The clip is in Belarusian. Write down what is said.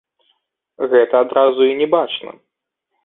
Гэта адразу і не бачна.